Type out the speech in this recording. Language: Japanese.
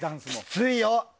きついよ。